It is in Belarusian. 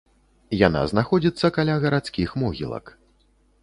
Яна знаходзіцца каля гарадскіх могілак.